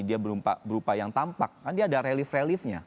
dia berupa yang tampak kan dia ada relief reliefnya